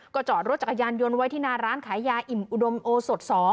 จอดรถจักรยานยนต์ไว้ที่หน้าร้านขายยาอิ่มอุดมโอสด๒